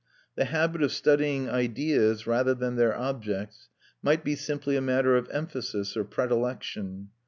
The habit of studying ideas rather than their objects might be simply a matter of emphasis or predilection.